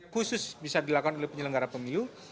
khusus bisa dilakukan oleh penyelenggara pemilu